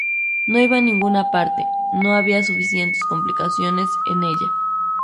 No iba a ninguna parte: no había suficientes complicaciones en ella".